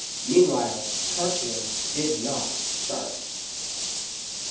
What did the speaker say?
Meanwhile, Tartarin did not start.